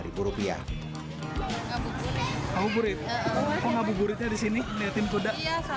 oh gitu oh mengajarin anak juga main kuda